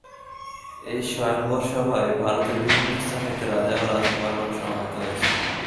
এই স্বয়ম্বর-সভায় ভারতের বিভিন্ন স্থান হইতে রাজা ও রাজকুমারগণ সমবেত হইয়াছিলেন।